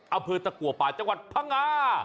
เอาพืชตะกัวป่าจังหวัดพระงา